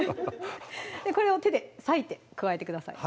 これを手で裂いて加えてください